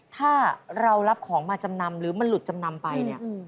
ถ้าเรารับของมาจำนำหรือมันหลุดจำนำไปเนี่ย